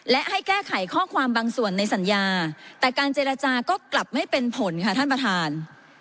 และให้แก้ไขข้อความบางส่วนในสัญญาแต่การเจรจาก็กลับไม่เป็นผลค่ะท่านประธาน